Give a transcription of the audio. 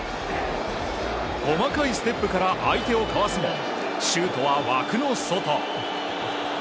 細かいステップから相手をかわすもシュートは枠の外。